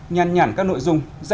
nhàn nhản các nội dung